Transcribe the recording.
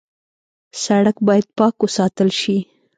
سړک باید پاک وساتل شي.